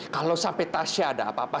kalau sampai tasya ada apa apa